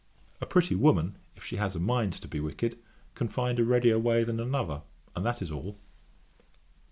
A pretty woman, if she has a mind to be wicked, can find a readier way than another; and that is all.'